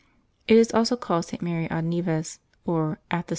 It is also called St. Mary ad Nives, x)t at the